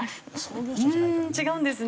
うん違うんですね。